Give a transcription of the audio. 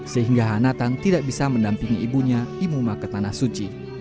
sehingga hanatan tidak bisa mendampingi ibunya imuma ke tanah suci